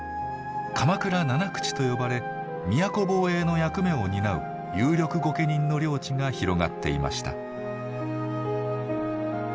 鎌倉七口と呼ばれ都防衛の役目を担う有力御家人の領地が広がっていました。